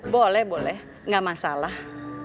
boleh boleh gak masalah